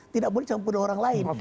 tidak boleh campur dengan orang lain